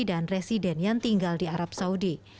residen yang tinggal di arab saudi